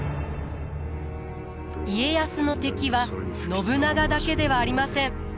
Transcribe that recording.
家康の敵は信長だけではありません。